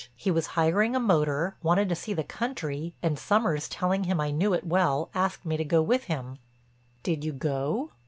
He was hiring a motor, wanted to see the country—and Sommers telling him I knew it well, asked me to go with him." "Did you go?"